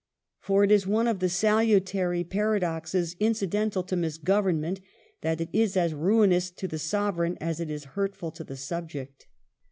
For it is one of the salutary paradoxes incidental to misgovemment that it is as ruinous to the Sovereign as it is hurtful to the subject.